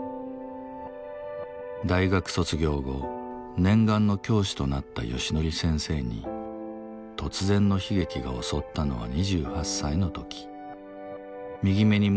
大学卒業後念願の教師となったヨシノリ先生に突然の悲劇が襲ったのは２８歳の時。